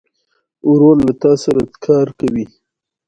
ورور له تا سره کار کوي.